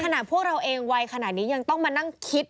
พวกเราเองวัยขนาดนี้ยังต้องมานั่งคิด